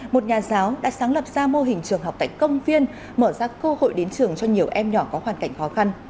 một nhà giáo đã sáng lập ra mô hình trường học tại công viên mở ra cơ hội đến trường cho nhiều em nhỏ có hoàn cảnh khó khăn